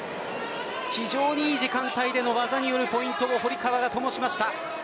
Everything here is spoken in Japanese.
非常に良い時間帯での技によるポイントも堀川がともしました。